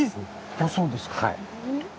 あそうですか。